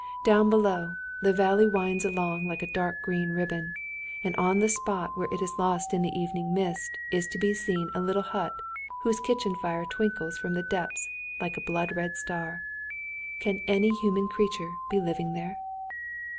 Down below, the valley winds along like a dark green ribbon, and on the spot where it is lost in the evening mist is to be seen a little hut whose kitchen fire twinkles from the depths like a blood red star. Can any human creature be living there?